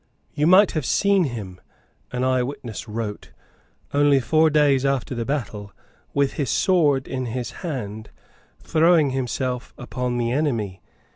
"You might have seen him," an eyewitness wrote, only four days after the battle, "with his sword in his hand, throwing himself upon the enemy.